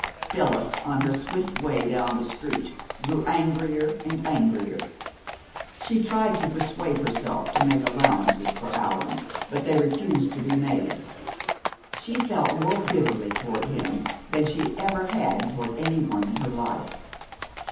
Phyllis, on her swift way down the street, grew angrier and angrier. She tried to persuade herself to make allowances for Allan, but they refused to be made. She felt more bitterly toward him than she ever had toward any one in her life.